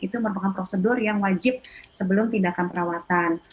itu merupakan prosedur yang wajib sebelum tindakan perawatan